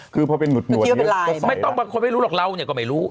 คือพอเป็นหนวดนี้ก็สอยแล้วไม่ต้องบางคนไม่รู้หรอกเราก็ไม่รู้